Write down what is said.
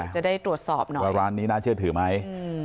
จะได้ตรวจสอบหน่อยว่าร้านนี้น่าเชื่อถือไหม